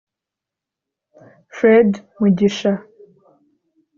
Fred Mugisha